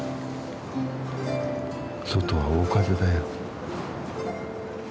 外は大風だよ。